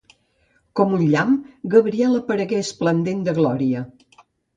Com un llamp, Gabriel aparegué esplendent de glòria.